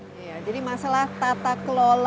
iya jadi masalah tata kelola